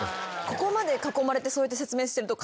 ここまで囲まれてそうやって説明してると。